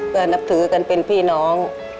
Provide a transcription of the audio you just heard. ก็นับถือกันเป็นพี่น้อง